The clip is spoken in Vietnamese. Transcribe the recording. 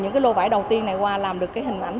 những lô vải đầu tiên này qua làm được hình ảnh